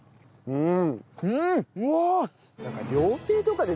うん。